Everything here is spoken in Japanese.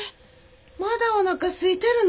まだおなかすいてるの？